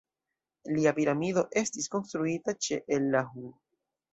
Lia piramido estis konstruita ĉe El-Lahun.